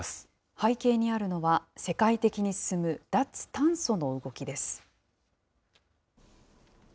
背景にあるのは、世界的に進む脱炭素の動きです。